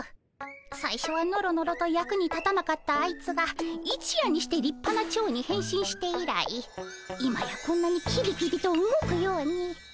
さいしょはノロノロと役に立たなかったあいつが一夜にしてりっぱなチョウに変身して以来今やこんなにキビキビと動くように。